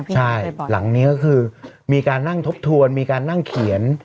ใช่หลังนี้ก็คือมีการนั่งทบทวนมีการนั่งเขียน